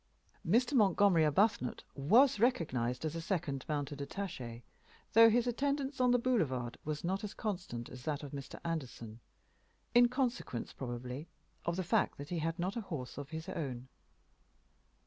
Mr. Montgomery Arbuthnot was recognized as a second mounted attaché, though his attendance on the boulevard was not as constant as that of Mr. Anderson, in consequence, probably, of the fact that he had not a horse of his own.